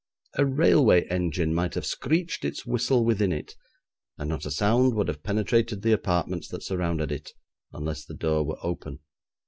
A railway engine might have screeched its whistle within it, and not a sound would have penetrated the apartments that surrounded it unless the door were open.